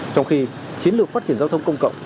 trong khi chiến lược phát triển giao thông công cộng